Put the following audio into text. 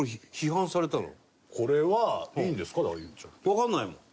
わかんないもん。